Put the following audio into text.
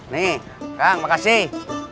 nih kang makasih